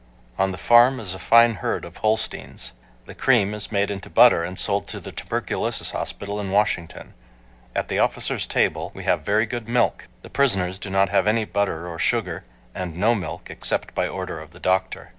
On the farm is a fine herd of Holsteins. The cream is made into butter and sold to the tuberculosis hospital in Washington. At the officers' table we have very good milk. The prisoners do not have any butter or sugar, and no milk except by order of the doctor.